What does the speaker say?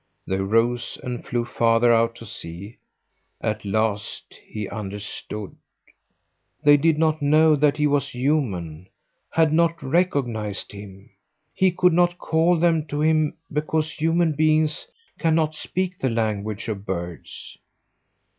They rose and flew farther out to sea. At last he understood. They did not know that he was human, had not recognized him. He could not call them to him because human beings can not speak the language of birds.